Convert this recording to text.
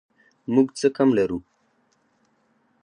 موږ څه کم لرو